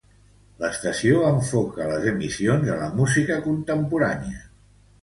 L'estació enfoca les emissions a la música contemporània.